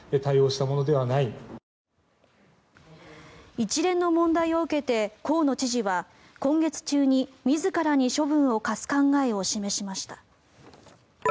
一連の問題を受けて河野知事は今月中に自らに処分を科す考えを示しました。